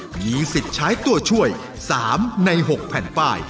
มีสิทธิ์ใช้ตัวช่วย๓ใน๖แผ่นป้าย